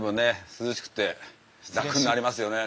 涼しくて楽になりますよね。